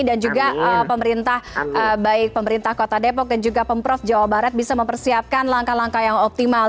dan juga pemerintah baik pemerintah kota depok dan juga pemprov jawa barat bisa mempersiapkan langkah langkah yang optimal